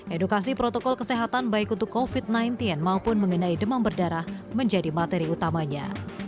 edukasi protokol kesehatan baik untuk covid sembilan belas maupun mengenai demam berdarah menjadi materi utamanya